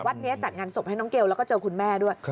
นี้จัดงานศพให้น้องเกลแล้วก็เจอคุณแม่ด้วย